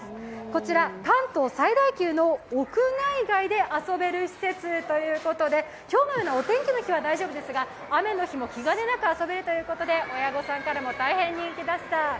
こちら関東最大級の屋内外で遊べる施設ということで今日のようなお天気の日も大丈夫ですが、雨の日も気兼ねなく遊べるということで親御さんにも大変人気です。